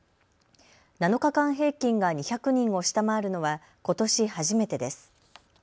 ７日間平均が２００人を下回るのはことし初めてです。